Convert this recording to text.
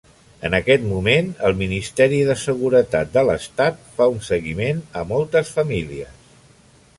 En aquest moment el Ministeri de Seguretat de l'Estat fa un seguiment a moltes famílies.